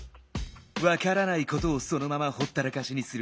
わからないことをそのままほったらかしにする。